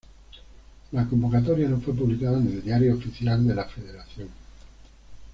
La convocatoria no fue publicada en el Diario Oficial de la Federación.